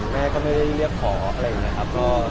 แม่ก็ไม่ได้เรียกขออะไรอย่างนี้ครับ